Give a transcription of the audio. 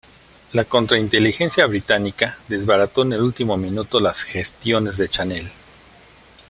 La contrainteligencia británica desbarató en el último minuto las gestiones de Chanel.